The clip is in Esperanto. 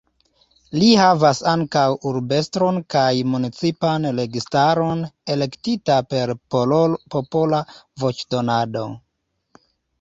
Ii havas ankaŭ urbestron kaj municipan registaron, elektita per popola voĉdonado.